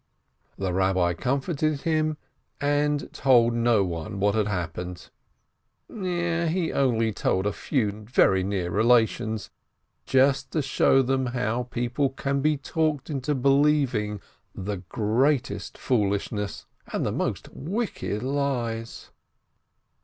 The Rabbi comforted him, and told no one what had happened, he only told a few very near relations, just to show them how people can be talked into believing the greatest foolishness and the most wicked lies.